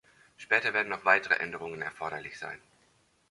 Später werden noch weitere Änderungen erforderlich sein.